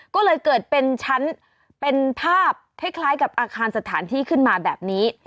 ก็เลยเกิดเป็นชั้นเป็นภาพคล้ายกับอาคารสถานที่ขึ้นมาแบบนี้